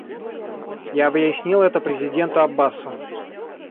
Я объяснил это президенту Аббасу.